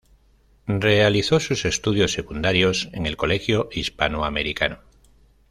Realizó sus estudios secundarios en el Colegio Hispano Americano.